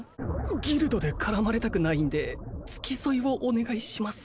ギルドで絡まれたくないんで付き添いをお願いします